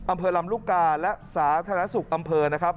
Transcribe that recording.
อำเภอลำลูกกาและสาธารณสุขอำเภอนะครับ